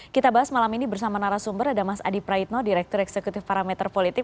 kita bahas malam ini bersama narasumber ada mas adi praitno direktur eksekutif parameter politik